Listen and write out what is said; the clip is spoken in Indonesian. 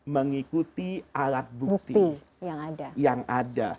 mengikuti alat bukti yang ada